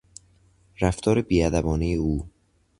رفتار بیادبانهی او